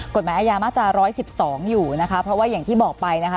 กฎหมายอาญามาตรา๑๑๒อยู่นะคะเพราะว่าอย่างที่บอกไปนะคะ